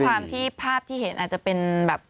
ความที่ภาพที่เห็นอาจจะเป็นแบบ